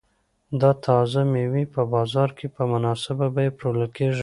دا تازه مېوې په بازار کې په مناسبه بیه پلورل کیږي.